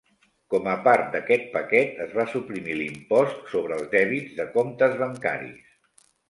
Com a part d'aquest paquet es va suprimir l'impost sobre els dèbits de comptes bancaris.